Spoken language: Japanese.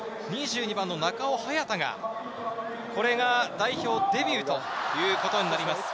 ２２番の中尾隼太が、これが代表デビューということになります。